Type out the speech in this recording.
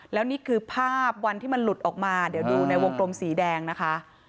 แล้วนี่คือภาพวันที่มันหลุดออกมาเดี๋ยวดูในวงกลมสีแดงนะคะ